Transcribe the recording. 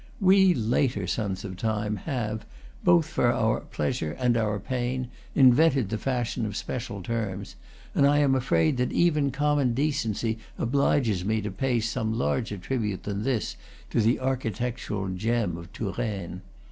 We later sons of time have, both for our pleasure and our pain, invented the fashion of special terms, and I am afraid that even common decency obliges me to pay some larger tribute than this to the architectural gem of Touraine.